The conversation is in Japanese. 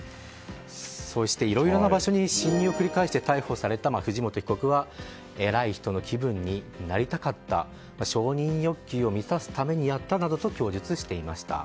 そして、いろいろな場所に侵入を繰り返して逮捕された藤本被告は偉い人の気分になりたかった承認欲求を満たすためにやったなどと供述していました。